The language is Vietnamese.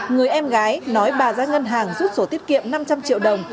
người em gái nói bà ra ngân hàng rút sổ tiết kiệm năm trăm linh triệu đồng